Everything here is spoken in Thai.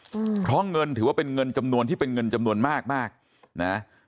อืมเพราะเงินถือว่าเป็นเงินจำนวนที่เป็นเงินจำนวนมากมากนะ